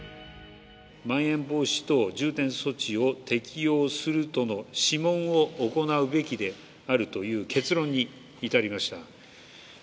まん延防止等重点措置を適用するとの諮問を行うべきであるという結論に至りました。